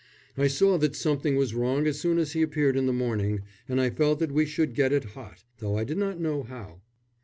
I saw that something was wrong as soon as he appeared in the morning, and I felt that we should get it hot, though I did not know how.